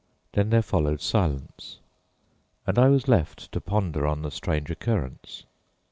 Then there followed silence, and I was left to ponder on the strange occurrence.